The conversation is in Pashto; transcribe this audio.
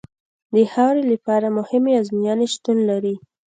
د خاورې لپاره مهمې ازموینې شتون لري